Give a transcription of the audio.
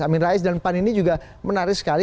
amin rais dan pan ini juga menarik sekali